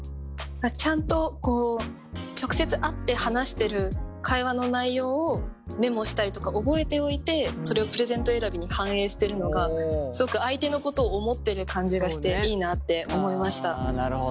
ちゃんとこう直接会って話してる会話の内容をメモしたりとか覚えておいてそれをプレゼント選びに反映してるのがすごく相手のことを思ってる感じがしていいなって思いました。